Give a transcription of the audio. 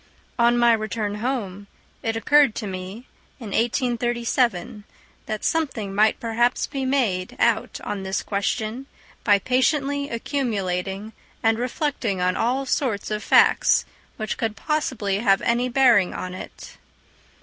On my return home, it occurred to me, in 1837, that something might perhaps be made out on this question by patiently accumulating and reflecting on all sorts of facts which could possibly have any bearing on it.